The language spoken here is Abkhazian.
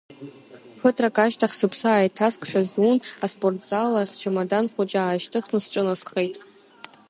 Ԥыҭрак ашьҭахь, сыԥсы ааиҭаскшәа зун, аспортзал ахь счамадан хәыҷы аашьҭыхны сҿынасхеит.